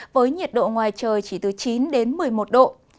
với nhiệt độ ngoài trời chỉ từ chín đến một mươi một độ